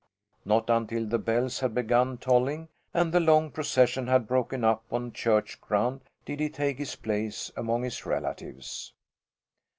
Not until the bells had begun tolling and the long procession had broken up on church ground did he take his place among his relatives.